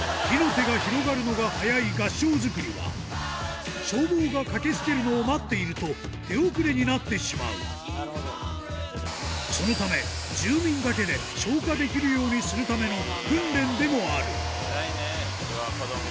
火の手が広がるのが早い合掌造りは消防が駆け付けるのを待っていると手遅れになってしまうそのため住民だけで消火できるようにするための訓練でもある偉いね。